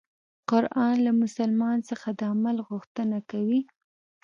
قرآن له مسلمان څخه د عمل غوښتنه کوي.